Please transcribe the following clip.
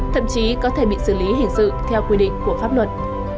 thậm chí có thể bị xử lý hình sự theo quy định của pháp luật